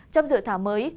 trong dự thảo mới